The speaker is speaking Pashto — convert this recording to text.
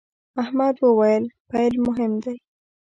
احمد وويل: پیل مهم دی.